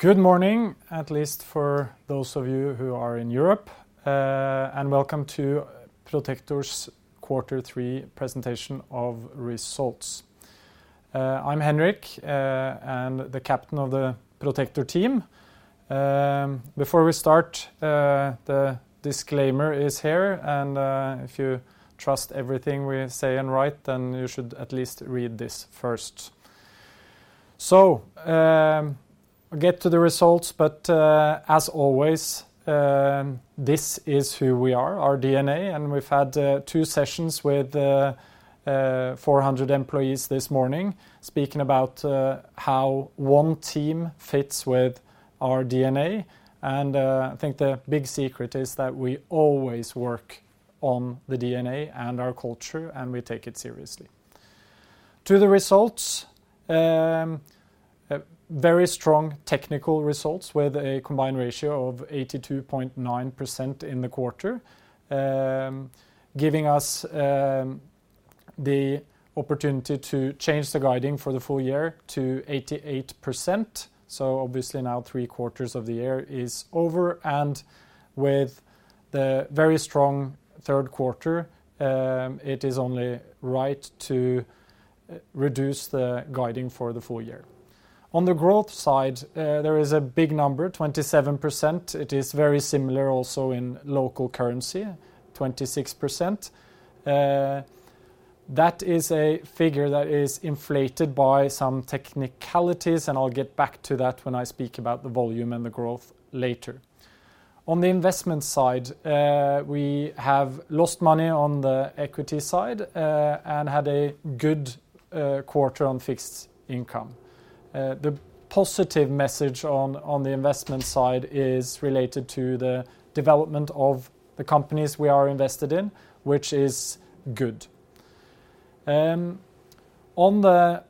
Good morning, at least for those of you who are in Europe, and welcome to Protector's quarter three presentation of results. I'm Henrik, and the captain of the Protector team. Before we start, the disclaimer is here, and if you trust everything we say and write, then you should at least read this first. Get to the results, but as always, this is who we are, our DNA, and we've had two sessions with 400 employees this morning speaking about how one team fits with our DNA. I think the big secret is that we always work on the DNA and our culture, and we take it seriously. To the results, very strong technical results with a combined ratio of 82.9% in the quarter, giving us the opportunity to change the guidance for the full year to 88%. Obviously now three quarters of the year is over, and with the very strong third quarter, it is only right to reduce the guidance for the full year. On the growth side, there is a big number, 27%. It is very similar also in local currency, 26%. That is a figure that is inflated by some technicalities, and I'll get back to that when I speak about the volume and the growth later. On the investment side, we have lost money on the equity side, and had a good quarter on fixed income. The positive message on the investment side is related to the development of the companies we are invested in, which is good. On the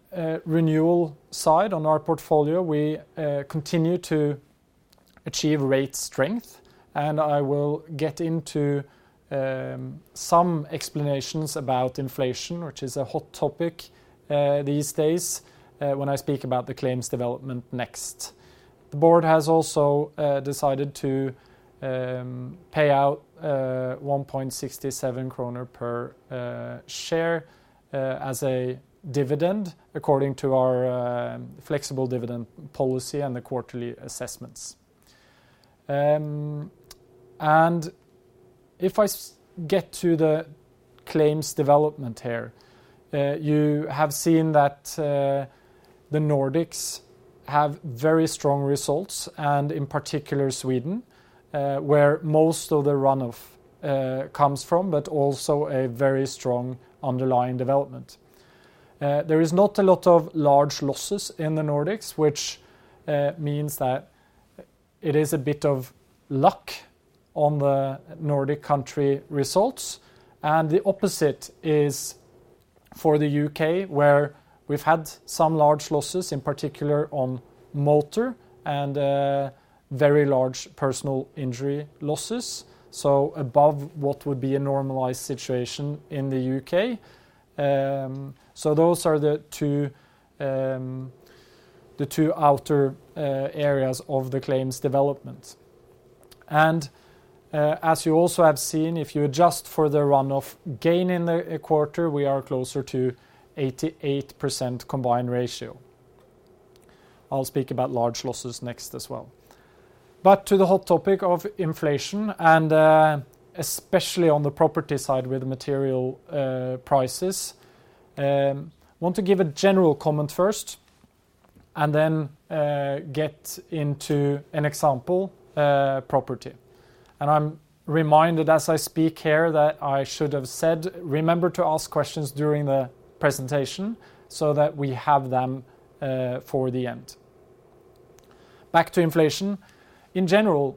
renewal side, on our portfolio, we continue to achieve rate strength, and I will get into some explanations about inflation, which is a hot topic these days, when I speak about the claims development next. The board has also decided to pay out 1.67 kroner per share as a dividend according to our flexible dividend policy and the quarterly assessments. If I get to the claims development here, you have seen that the Nordics have very strong results, and in particular Sweden, where most of the run-off comes from, but also a very strong underlying development. There is not a lot of large losses in the Nordics, which means that it is a bit of luck on the Nordic country results. The opposite is for the U.K., where we've had some large losses, in particular on motor and very large personal injury losses, so above what would be a normalized situation in the U.K. Those are the two outer areas of the claims development. As you also have seen, if you adjust for the run-off gain in the quarter, we are closer to 88% combined ratio. I'll speak about large losses next as well. To the hot topic of inflation and especially on the property side with material prices, I want to give a general comment first and then get into an example, property. I'm reminded as I speak here that I should have said, remember to ask questions during the presentation so that we have them for the end. Back to inflation. In general,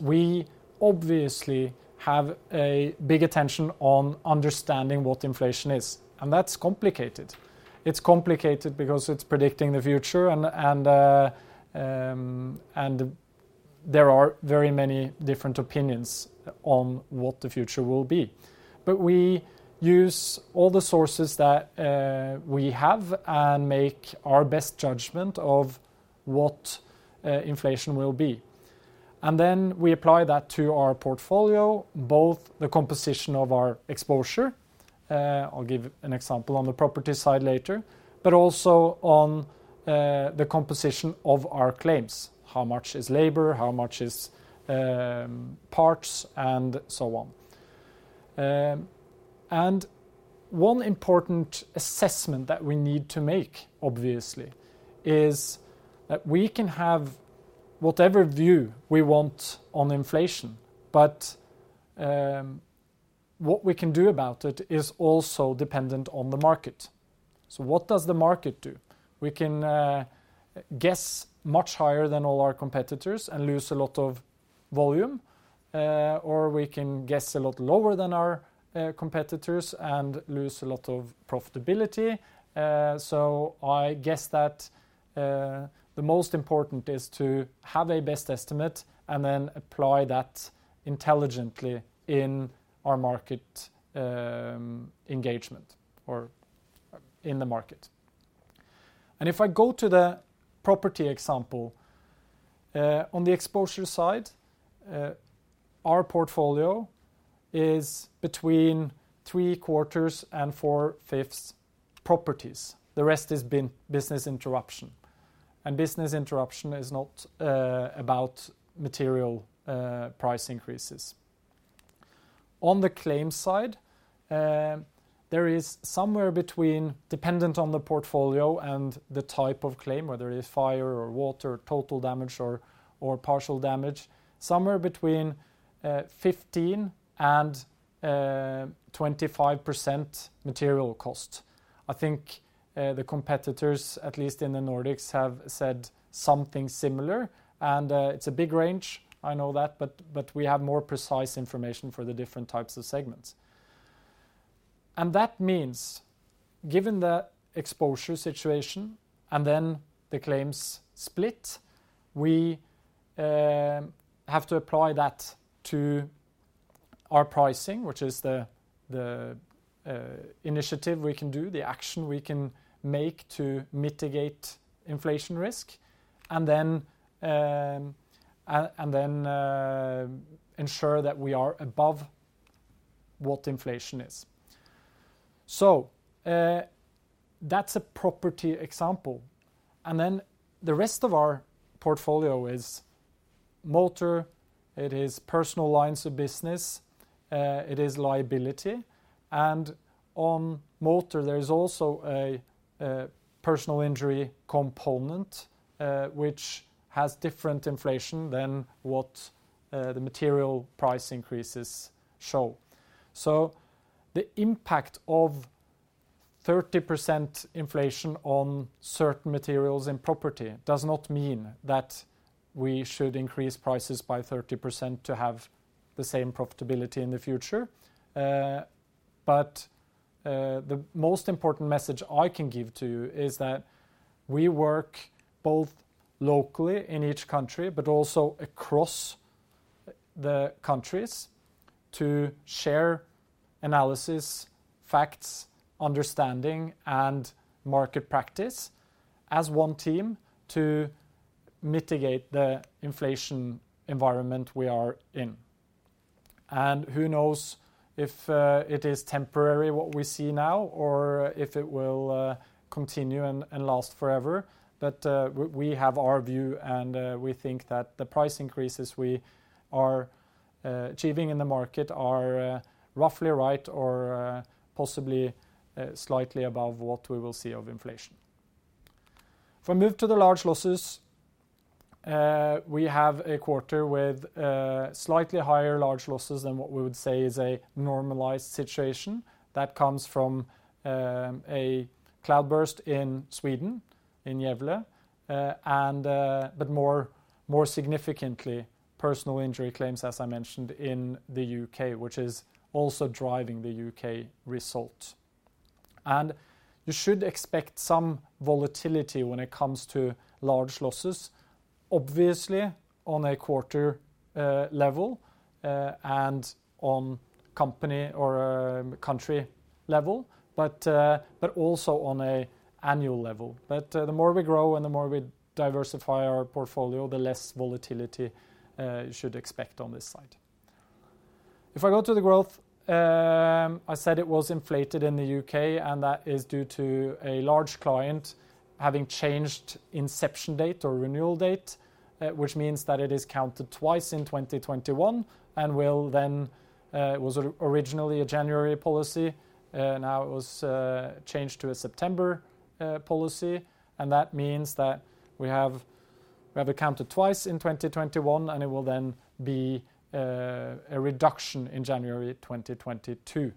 we obviously have a big attention on understanding what inflation is, and that's complicated. It's complicated because it's predicting the future and there are very many different opinions on what the future will be. We use all the sources that we have and make our best judgment of what inflation will be. We apply that to our portfolio, both the composition of our exposure. I'll give an example on the property side later, but also on the composition of our claims, how much is labor, how much is parts, and so on. One important assessment that we need to make, obviously, is that we can have whatever view we want on inflation, but what we can do about it is also dependent on the market. What does the market do? We can guess much higher than all our competitors and lose a lot of volume, or we can guess a lot lower than our competitors and lose a lot of profitability. I guess that the most important is to have a best estimate and then apply that intelligently in our market engagement or in the market. If I go to the property example, on the exposure side, our portfolio is between three quarters and 4/5 properties. The rest has been business interruption. Business interruption is not about material price increases. On the claim side, there is somewhere between, dependent on the portfolio and the type of claim, whether it is fire or water, total damage or partial damage, 15%-25% material cost. I think the competitors, at least in the Nordics, have said something similar, and it's a big range, I know that, but we have more precise information for the different types of segments. That means, given the exposure situation and then the claims split, we have to apply that to our pricing, which is the initiative we can do, the action we can make to mitigate inflation risk, and then ensure that we are above what inflation is. That's a property example, and then the rest of our portfolio is motor, it is personal lines of business, it is liability. On motor, there is also a personal injury component, which has different inflation than what the material price increases show. The impact of 30% inflation on certain materials and property does not mean that we should increase prices by 30% to have the same profitability in the future. The most important message I can give to you is that we work both locally in each country, but also across the countries to share analysis, facts, understanding, and market practice as one team to mitigate the inflation environment we are in. Who knows if it is temporary what we see now or if it will continue and last forever. We have our view, and we think that the price increases we are achieving in the market are roughly right or possibly slightly above what we will see of inflation. If I move to the large losses, we have a quarter with slightly higher large losses than what we would say is a normalized situation. That comes from a cloudburst in Sweden, in Gävle, and but more significantly, personal injury claims, as I mentioned, in the U.K., which is also driving the U.K. result. You should expect some volatility when it comes to large losses, obviously on a quarter level and on company or country level, but also on an annual level. The more we grow and the more we diversify our portfolio, the less volatility you should expect on this side. If I go to the growth, I said it was inflated in the U.K., and that is due to a large client having changed inception date or renewal date, which means that it is counted twice in 2021 and will then, it was originally a January policy, now it was changed to a September policy, and that means that we have it counted twice in 2021, and it will then be a reduction in January 2022.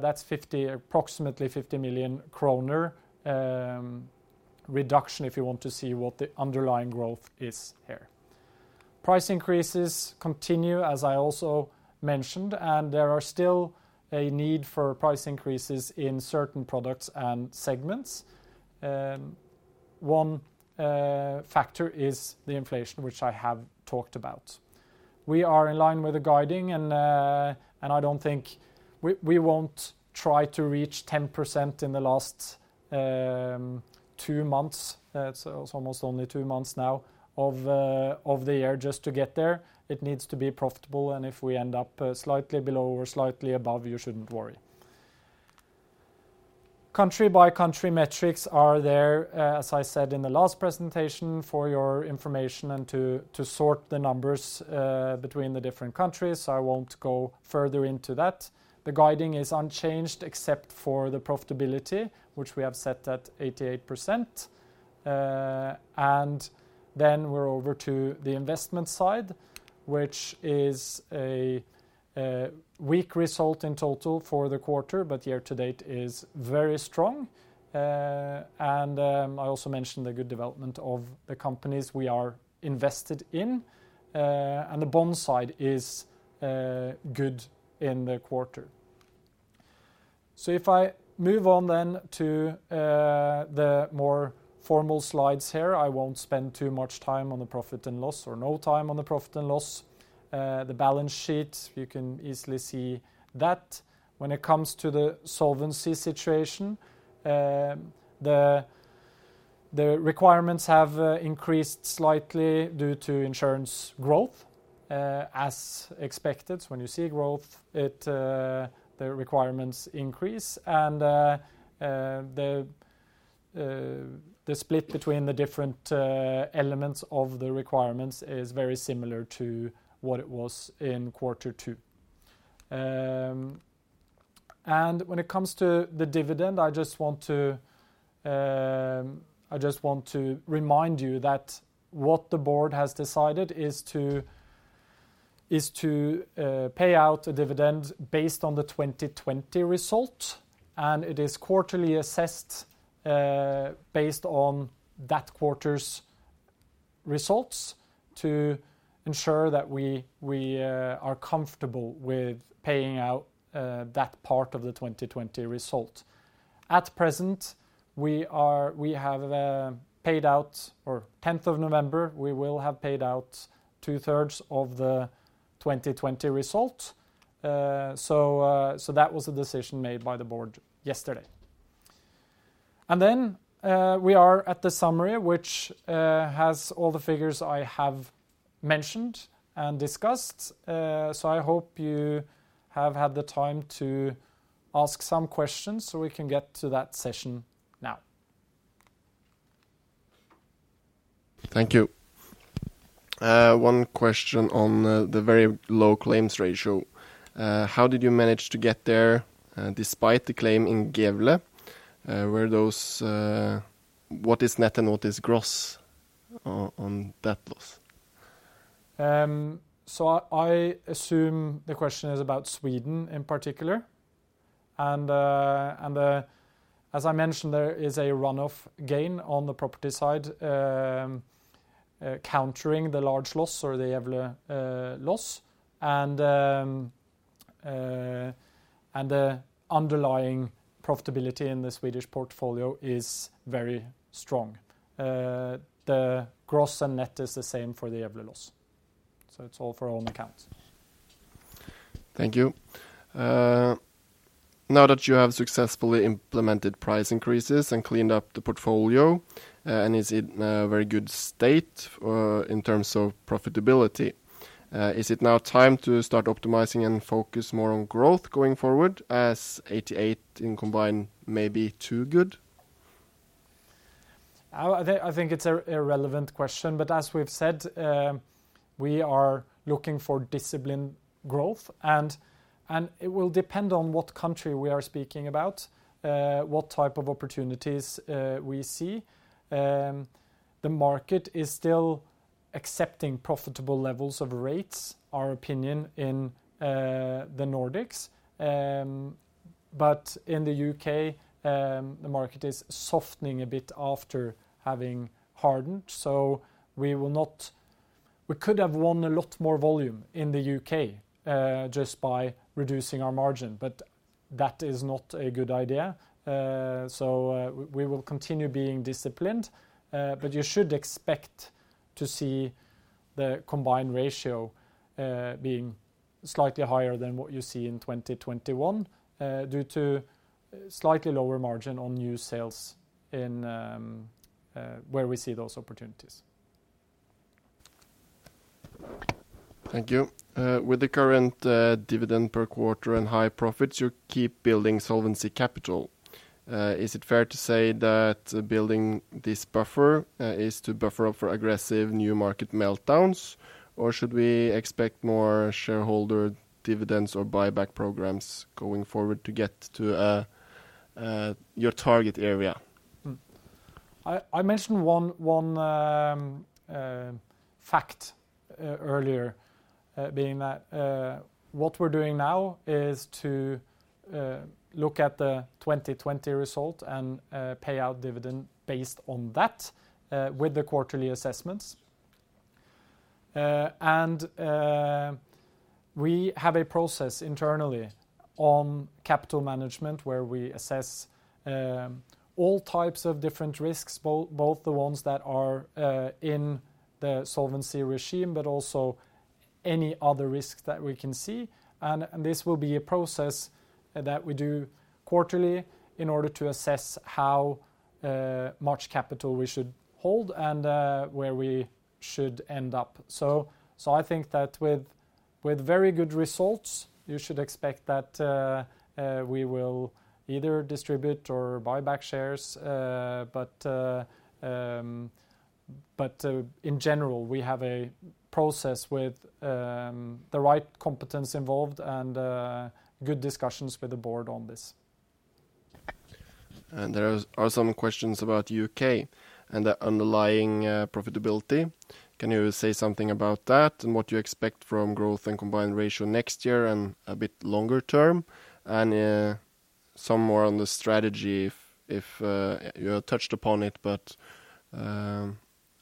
That's approximately 50 million kronor reduction if you want to see what the underlying growth is here. Price increases continue, as I also mentioned, and there are still a need for price increases in certain products and segments. One factor is the inflation, which I have talked about. We are in line with the guidance and I don't think we won't try to reach 10% in the last two months, so it's almost only two months now of the year just to get there. It needs to be profitable, and if we end up slightly below or slightly above, you shouldn't worry. Country-by-country metrics are there, as I said in the last presentation, for your information and to sort the numbers between the different countries, so I won't go further into that. The guidance is unchanged, except for the profitability, which we have set at 88%. We're over to the investment side, which is a weak result in total for the quarter, but year to date is very strong. I also mentioned the good development of the companies we are invested in, and the bond side is good in the quarter. If I move on then to the more formal slides here, I won't spend too much time on the profit and loss, or no time on the profit and loss. The balance sheet, you can easily see that. When it comes to the solvency situation, the requirements have increased slightly due to insurance growth, as expected. When you see growth, the requirements increase and the split between the different elements of the requirements is very similar to what it was in quarter two. When it comes to the dividend, I just want to remind you that what the board has decided is to pay out a dividend based on the 2020 result, and it is quarterly assessed based on that quarter's results to ensure that we are comfortable with paying out that part of the 2020 result. At present, we have paid out. On tenth of November, we will have paid out 2/3 of the 2020 result. That was a decision made by the board yesterday. We are at the summary, which has all the figures I have mentioned and discussed. I hope you have had the time to ask some questions, so we can get to that session now. Thank you. One question on the very low claims ratio. How did you manage to get there despite the claim in Gävle? What is net and what is gross on that loss? I assume the question is about Sweden in particular. As I mentioned, there is a run-off gain on the property side, countering the large loss or the Gävle loss. The underlying profitability in the Swedish portfolio is very strong. The gross and net is the same for the Gävle loss, so it's all for own accounts. Thank you. Now that you have successfully implemented price increases and cleaned up the portfolio, and is it in a very good state, in terms of profitability, is it now time to start optimizing and focus more on growth going forward as 88 in combined may be too good? I think it's a relevant question, but as we've said, we are looking for disciplined growth, and it will depend on what country we are speaking about, what type of opportunities we see. The market is still accepting profitable levels of rates, in our opinion, in the Nordics. In the U.K., the market is softening a bit after having hardened. We could have won a lot more volume in the U.K., just by reducing our margin, but that is not a good idea. We will continue being disciplined, but you should expect to see the combined ratio being slightly higher than what you see in 2021, due to slightly lower margin on new sales in where we see those opportunities. Thank you. With the current dividend per quarter and high profits, you keep building solvency capital. Is it fair to say that building this buffer is to buffer for aggressive new market meltdowns, or should we expect more shareholder dividends or buyback programs going forward to get to your target area? I mentioned one fact earlier, being that what we're doing now is to look at the 2020 result and pay out dividend based on that with the quarterly assessments. We have a process internally on capital management where we assess all types of different risks, both the ones that are in the solvency regime, but also any other risk that we can see. This will be a process that we do quarterly in order to assess how much capital we should hold and where we should end up. I think that with very good results, you should expect that we will either distribute or buy back shares. In general, we have a process with the right competence involved and good discussions with the board on this. There are some questions about U.K. and the underlying profitability. Can you say something about that and what you expect from growth and combined ratio next year and a bit longer term? Some more on the strategy if you touched upon it, but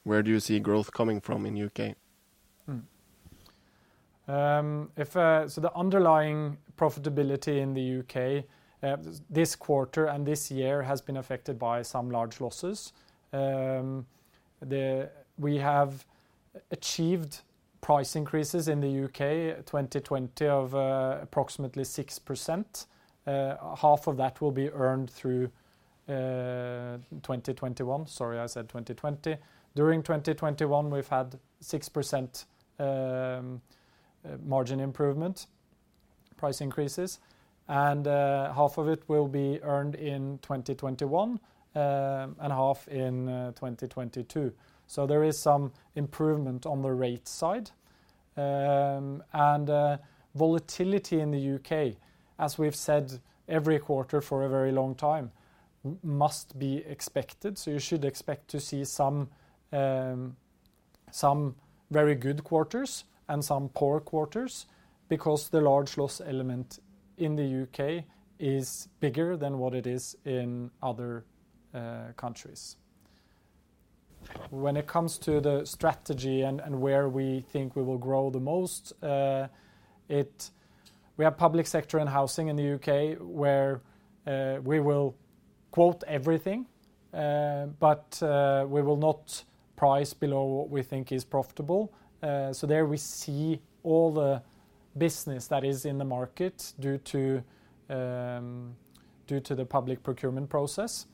where do you see growth coming from in U.K.? If so, the underlying profitability in the U.K. this quarter and this year has been affected by some large losses. We have achieved price increases in the U.K. in 2020 of approximately 6%. Half of that will be earned through 2021. Sorry, I said 2020. During 2021, we've had 6% margin improvement price increases, and half of it will be earned in 2021, and half in 2022. There is some improvement on the rate side. Volatility in the U.K., as we've said every quarter for a very long time, must be expected. You should expect to see some very good quarters and some poor quarters because the large loss element in the U.K. is bigger than what it is in other countries. When it comes to the strategy and where we think we will grow the most, we have public sector and housing in the U.K. where we will quote everything, but we will not price below what we think is profitable. There we see all the business that is in the market due to the public procurement process,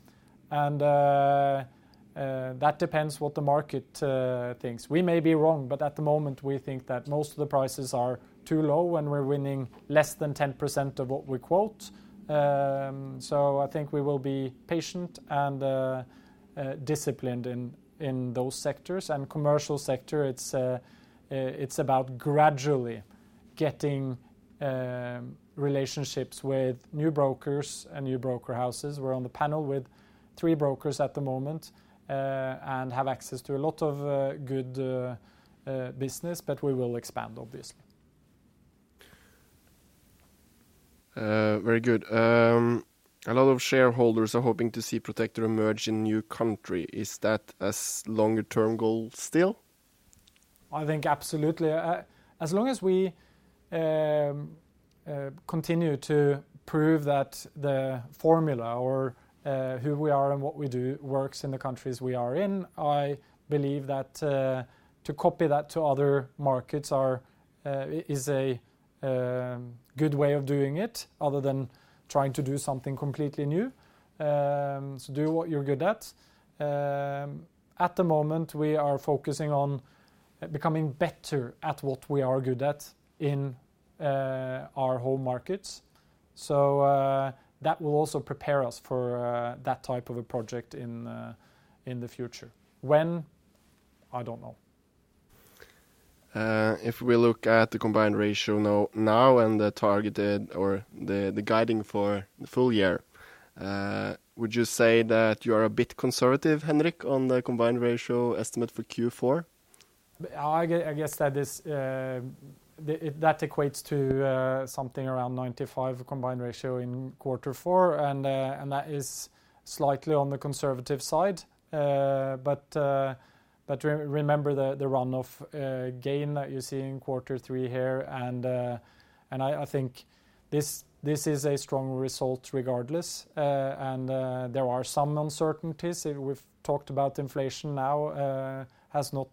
and that depends on what the market thinks. We may be wrong, but at the moment we think that most of the prices are too low and we're winning less than 10% of what we quote. I think we will be patient and disciplined in those sectors. Commercial sector, it's about gradually getting relationships with new brokers and new broker houses. We're on the panel with three brokers at the moment, and have access to a lot of good business, but we will expand obviously. Very good. A lot of shareholders are hoping to see Protector emerge in new country. Is that a longer-term goal still? I think absolutely. As long as we continue to prove that the formula or who we are and what we do works in the countries we are in, I believe that to copy that to other markets is a good way of doing it other than trying to do something completely new. Do what you're good at. At the moment, we are focusing on becoming better at what we are good at in our home markets. That will also prepare us for that type of a project in the future. When? I don't know. If we look at the combined ratio now and the targeted or the guiding for the full year, would you say that you are a bit conservative, Henrik, on the combined ratio estimate for Q4? I guess that is if that equates to something around 95 combined ratio in quarter four, and that is slightly on the conservative side. Remember the run-off gain that you see in quarter three here, and I think this is a strong result regardless. There are some uncertainties. We've talked about inflation. Now it has not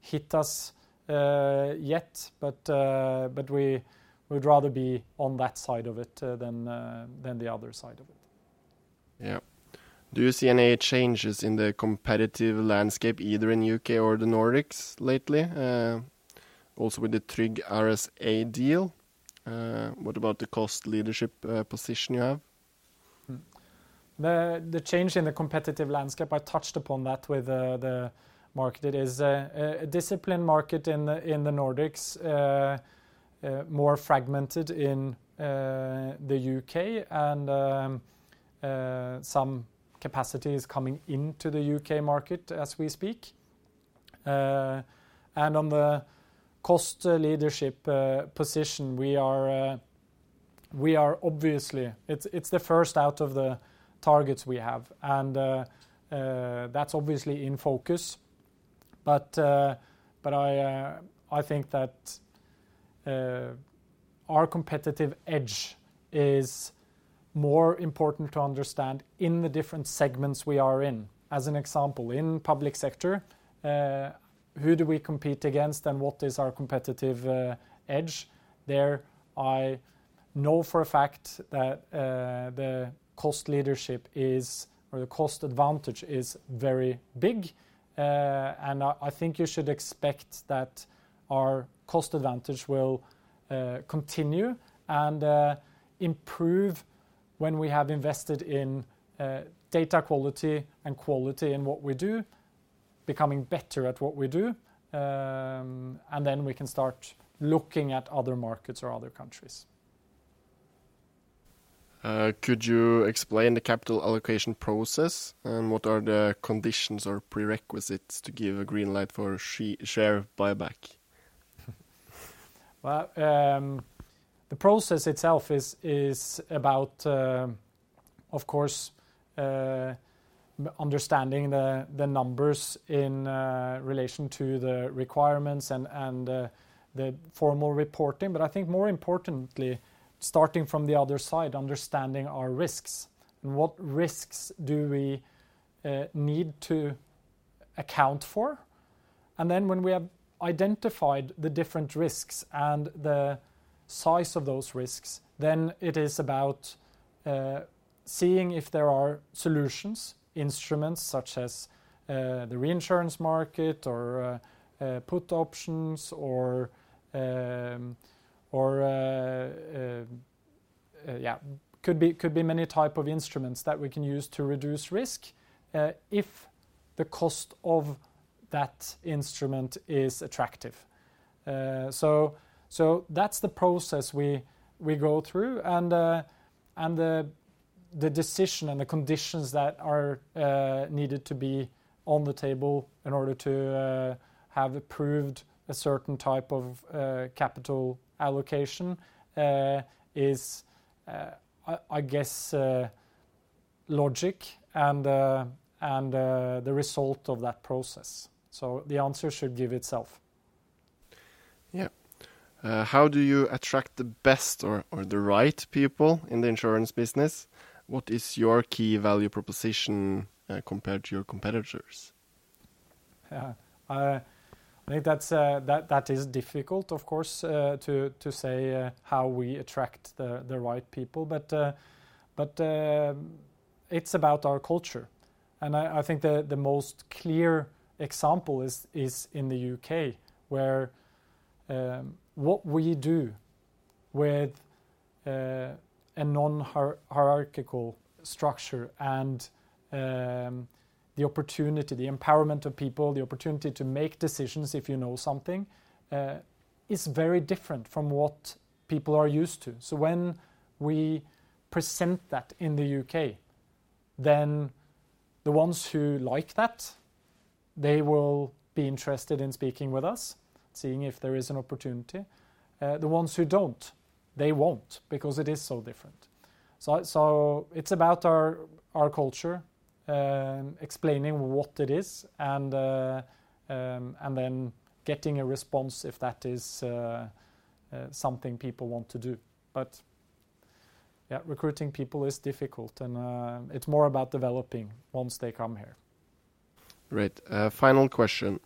hit us yet. We would rather be on that side of it than the other side of it. Yeah. Do you see any changes in the competitive landscape either in U.K. or the Nordics lately, also with the Tryg RSA deal? What about the cost leadership position you have? The change in the competitive landscape, I touched upon that with the market. It is a disciplined market in the Nordics, more fragmented in the U.K. and some capacity is coming into the U.K. market as we speak. On the cost leadership position, we are obviously. It's the first out of the targets we have, and that's obviously in focus. I think that our competitive edge is more important to understand in the different segments we are in. As an example, in public sector, who do we compete against and what is our competitive edge? There I know for a fact that the cost leadership is, or the cost advantage is very big. I think you should expect that our cost advantage will continue and improve when we have invested in data quality and quality in what we do, becoming better at what we do. We can start looking at other markets or other countries. Could you explain the capital allocation process and what are the conditions or prerequisites to give a green light for share buyback? Well, the process itself is about, of course, understanding the numbers in relation to the requirements and the formal reporting. I think more importantly, starting from the other side, understanding our risks and what risks do we need to account for. Then when we have identified the different risks and the size of those risks, it is about seeing if there are solutions, instruments such as the reinsurance market or put options or yeah, could be many type of instruments that we can use to reduce risk if the cost of that instrument is attractive. That's the process we go through and the decision and the conditions that are needed to be on the table in order to have approved a certain type of capital allocation is I guess logic and the result of that process. The answer should give itself. Yeah. How do you attract the best or the right people in the insurance business? What is your key value proposition, compared to your competitors? I think that is difficult, of course, to say how we attract the right people. It's about our culture. I think the most clear example is in the U.K. where what we do with a non-hierarchical structure and the opportunity, the empowerment of people, the opportunity to make decisions if you know something is very different from what people are used to. When we present that in the U.K., the ones who like that will be interested in speaking with us, seeing if there is an opportunity. The ones who don't won't because it is so different. It's about our culture, explaining what it is, and then getting a response if that is something people want to do. Yeah, recruiting people is difficult, and it's more about developing once they come here. Great. Final question.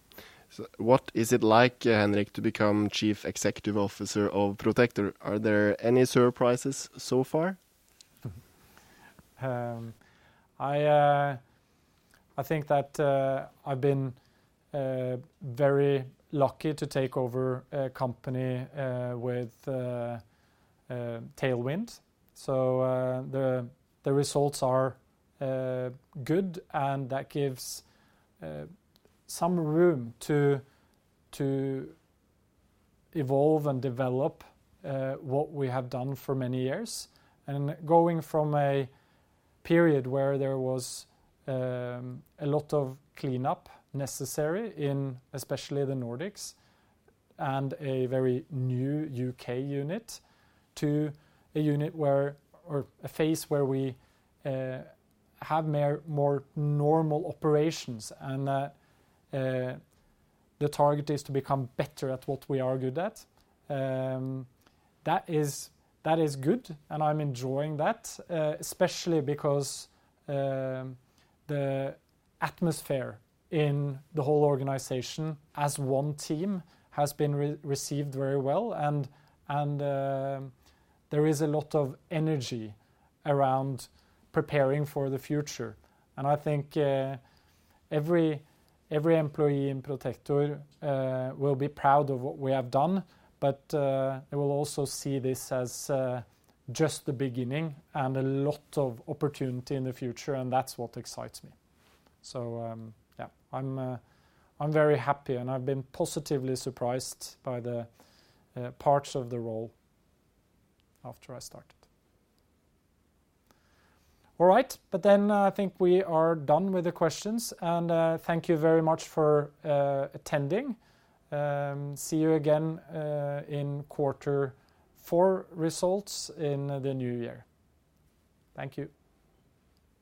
What is it like, Henrik, to become Chief Executive Officer of Protector? Are there any surprises so far? I think that I've been very lucky to take over a company with a tailwind. The results are good and that gives some room to evolve and develop what we have done for many years. Going from a period where there was a lot of cleanup necessary in especially the Nordics and a very new U.K. unit to a phase where we have more normal operations and the target is to become better at what we are good at. That is good, and I'm enjoying that especially because the atmosphere in the whole organization as one team has been received very well. There is a lot of energy around preparing for the future. I think every employee in Protector will be proud of what we have done. They will also see this as just the beginning and a lot of opportunity in the future, and that's what excites me. I'm very happy, and I've been positively surprised by the parts of the role after I started. All right. Then I think we are done with the questions, and thank you very much for attending. See you again in quarter four results in the new year. Thank you.